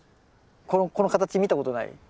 この形見たことない？